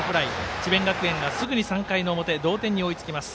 智弁学園がすぐに３回の表同点に追いつきます。